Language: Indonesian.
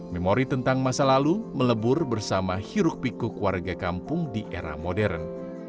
memori tentang masa lalu melebur bersama hiruk pikuk warga kampung di era modern